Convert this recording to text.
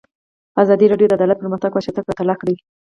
ازادي راډیو د عدالت پرمختګ او شاتګ پرتله کړی.